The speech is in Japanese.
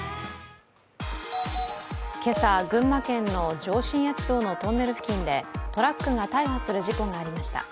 今朝、群馬県の上信越道のトンネル付近でトラックが大破する事故がありました。